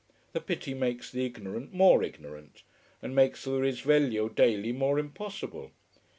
The pity makes the ignorant more ignorant, and makes the Risveglio daily more impossible.